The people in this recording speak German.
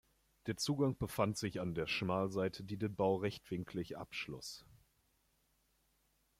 Der Zugang befand sich an der Schmalseite, die den Bau rechtwinklig abschloss.